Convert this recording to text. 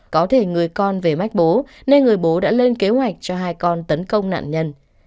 có thể người con về mách bố nên người bố đã lên kế hoạch cho hai con tấn công nạn nhân